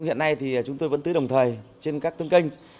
hiện nay thì chúng tôi vẫn tư đồng thời trên các tương kinh